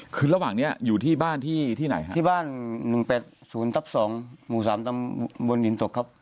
คือระหว่างนี้อยู่ที่บ้านที่ไหนฮะที่บ้าน๑๘๐ทับ๒หมู่๓ตำบลหินตกครับ